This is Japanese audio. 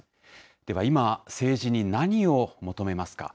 では今、政治に何を求めますか。